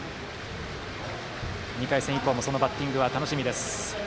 ２回戦以降もそのバッティングは楽しみです。